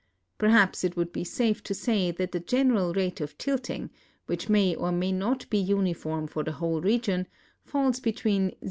Perhajis it would be safe to say that the general rate of tilting, which may or may not be uniform for the whole region, falls between 0.